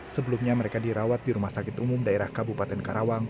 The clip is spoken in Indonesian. sebelumnya mereka dirawat di rumah sakit umum daerah kabupaten karawang